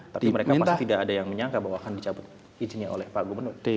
tapi mereka pasti tidak ada yang menyangka bahwa akan dicabut izinnya oleh pak gubernur